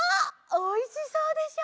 おいしそうでしょ？